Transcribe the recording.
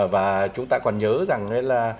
và chúng ta còn nhớ rằng